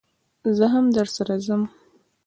زه هم درسره ځم